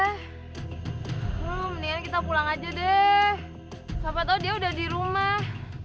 oh mendingan kita pulang aja deh pa to dia udah di rumah